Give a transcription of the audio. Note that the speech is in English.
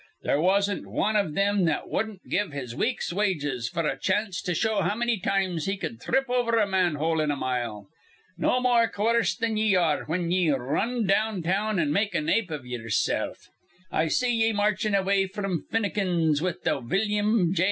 There wasn't wan iv thim that wudden't give his week's wages f'r a chanst to show how many times he cud thrip over a manhole in a mile. No more coerced than ye are whin ye r run down town an' make an ape iv ye ersilf. I see ye marchin' away fr'm Finucane's with th' Willum J.